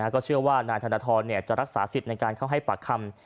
ก็เชื่อว่านายธนทรจะรักษาสิทธิ์ในการเข้าให้ปากคำ